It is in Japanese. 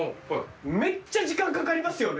めっちゃ時間かかりますよね。